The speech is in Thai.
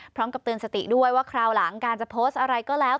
พร้อมกับเตือนสติด้วยว่าคราวหลังการจะโพสต์อะไรก็แล้ว